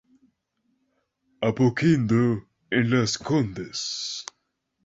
Apoquindo en Las Condes.